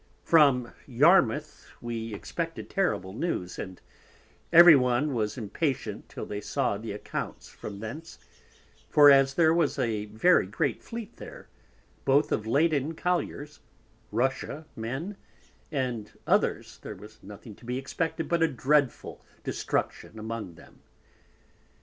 From Yarmouth we expected terrible News, and every one was impatient till they saw the Accounts from thence, for as there was a very great Fleet there, both of laden Colliers, Russia Men, and others, there was nothing to be expected but a dreadful Destruction among them.